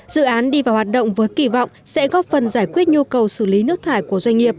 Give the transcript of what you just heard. dự án đi vào hoạt động với kỳ vọng sẽ góp phần giải quyết nhu cầu xử lý nước thải của doanh nghiệp